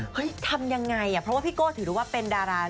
เฮ้ยทำยังไงอะเพราะว่าพี่โก้ถือว่าเป็นดารา